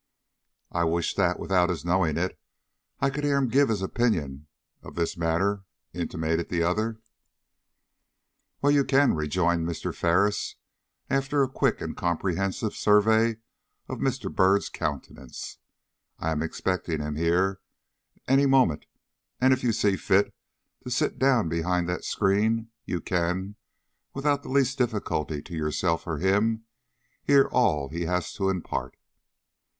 "I wish that, without his knowing it, I could hear him give his opinion of this matter," intimated the other. "Well, you can," rejoined Mr. Ferris, after a quick and comprehensive survey of Mr. Byrd's countenance. "I am expecting him here any moment, and if you see fit to sit down behind that screen, you can, without the least difficulty to yourself or him, hear all he has to impart."